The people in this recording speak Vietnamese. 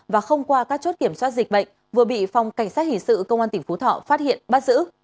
và không qua các chốt kiểm soát dịch bệnh vừa bị phòng cảnh sát hình sự công an tỉnh phú thọ phát hiện bắt giữ